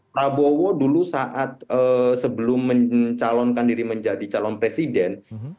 prabowo dulu saat sebelum mencalonkan diri menjadi calon presiden